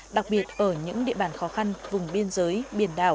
đặc biệt ở những địa bàn khó khăn vùng biên giới biển đảo